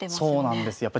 そうなんです。